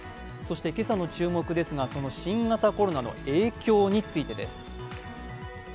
今朝の注目ですが、新型コロナの影響についてです。